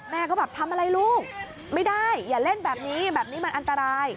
แม่ก็แบบทำอะไรลูกไม่ได้อย่าเล่นแบบนี้แบบนี้มันอันตราย